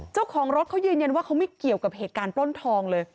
เจ้าของรถเขายืนยันว่าเขาไม่เกี่ยวกับเหตุการณ์ปล้นทองเลย